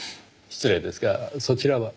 失礼ですがそちらは？